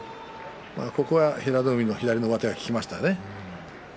ここは平戸海の左の上手が効きましたね。